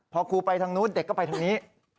พอครูไปทางนู้นเด็กก็ไปทางนี้